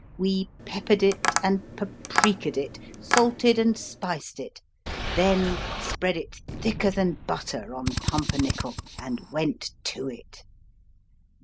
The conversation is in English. We peppered and paprikaed it, salted and spiced it, then spread it thicker than butter on pumpernickel and went to it.